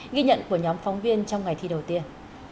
ghi nhận của nhóm phóng viên trong ngày thi đầu tiên